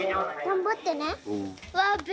頑張ってね。